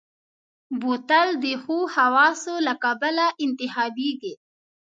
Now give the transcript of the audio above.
بوتل د ښو خواصو له کبله انتخابېږي.